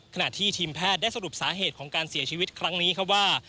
ทีมแพทย์ได้สรุปสาเหตุของการเสียชีวิตครั้งนี้ครับว่า